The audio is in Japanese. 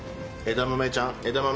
枝豆ちゃん枝豆。